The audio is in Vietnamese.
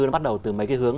nó bắt đầu từ mấy cái hướng